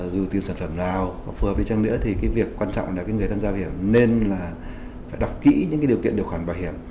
dù tìm sản phẩm nào có phù hợp đi chăng nữa thì việc quan trọng là người thân giao hiểm nên là đọc kỹ những điều kiện điều khoản bảo hiểm